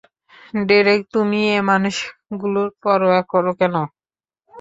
Derek, তুমি এ মানুষগুলোর পরোয়া করো কেন?